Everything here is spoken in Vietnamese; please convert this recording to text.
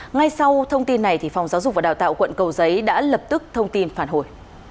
ngay sau thông tin này phòng giáo dục và đào tạo quận cầu giấy đã lập tức thông tin phản hồi